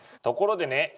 ところでね